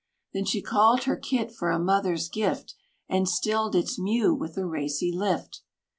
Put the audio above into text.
Then she called her kit for a mother's gift, And stilled its mew with the racy lift.